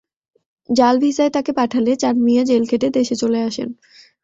জাল ভিসায় তাঁকে পাঠালে চান মিয়া জেল খেটে দেশে চলে আসেন।